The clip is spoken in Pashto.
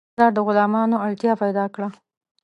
نوی بازار د غلامانو اړتیا پیدا کړه.